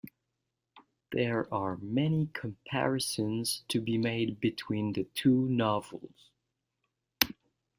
There are many comparisons to be made between the two novels.